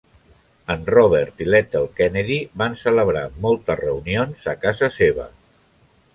En Robert i l'Ethel Kennedy van celebrar moltes reunions a casa seva.